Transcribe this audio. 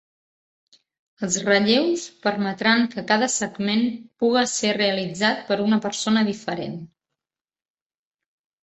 Els relleus permetran que cada segment puga ser realitzat per una persona diferent.